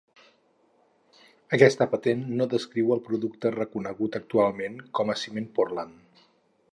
Aquesta patent no descriu el producte reconegut actualment com ciment Portland.